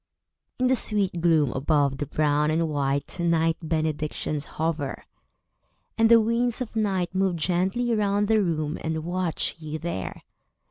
In the sweet gloom above the brown and white Night benedictions hover; and the winds of night Move gently round the room, and watch you there.